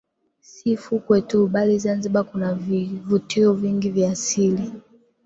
Si fukwe tu bali Zanzibar kuna vivutio vingi vya asili